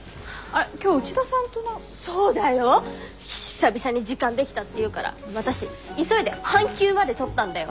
久々に時間できたっていうから私急いで半休まで取ったんだよ？